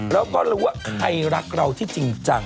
แล้วก็รู้ว่าใครรักเราที่จริงจัง